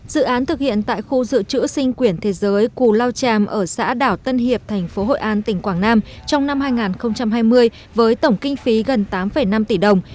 dự án thực hiện tại khu dự trữ sinh quyển thế giới cù lao tràm ở xã đảo tân hiệp thành phố hội an tỉnh quảng nam trong năm hai nghìn hai mươi với tổng kinh phí gần tám năm tỷ đồng